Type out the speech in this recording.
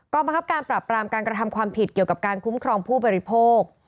บังคับการปรับปรามการกระทำความผิดเกี่ยวกับการคุ้มครองผู้บริโภค